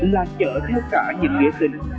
là chở theo cả những lễ tình